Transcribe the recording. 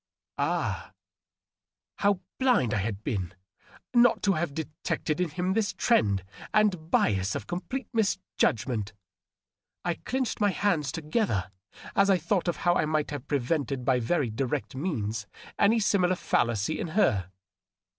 .. Ah ! how blind I had been not to have detected in him this trend and bias of complete misjudgmenti I clinched my hands together as I thought of how I might have prevented by very direct means any similar fellacy in her.